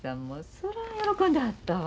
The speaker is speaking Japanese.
そら喜んではったわ。